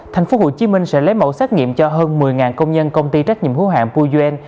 tp hcm sẽ lấy mẫu xét nghiệm cho hơn một mươi công nhân công ty trách nhiệm hữu hạng pujen